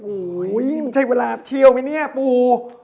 โอ้โหมันใช่เวลาเคี่ยวไหมเนี่ยปู